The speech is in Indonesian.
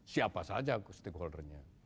siapa saja stakeholdernya